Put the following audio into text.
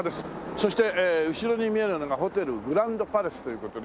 そして後ろに見えるのがホテルグランドパレスという事で。